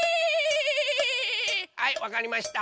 はいわかりました！